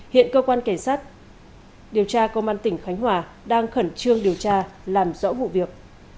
hiện cơ quan cảnh sát điều tra công an tỉnh khánh hòa đang khẩn trương điều tra làm rõ vụ việc